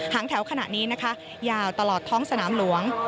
งแถวขณะนี้นะคะยาวตลอดท้องสนามหลวง